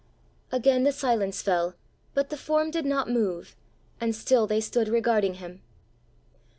Again the silence fell, but the form did not move, and still they stood regarding him.